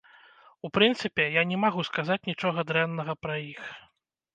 У прынцыпе, я не магу сказаць нічога дрэннага пра іх.